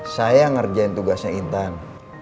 saya ngerjain tugasnya intan